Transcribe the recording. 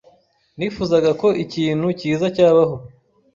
Nifuzaga ko ikintu cyiza cyabaho.